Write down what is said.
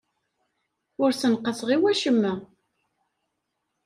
Ur ssenqaseɣ i wacemma.